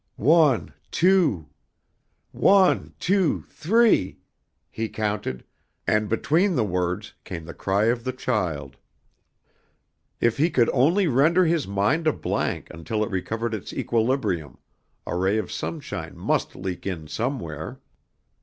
"One, two. One, two, three," he counted, and between the words came the cry of the child. If he could only render his mind a blank until it recovered its equilibrium, a ray of sunshine must leak in somewhere.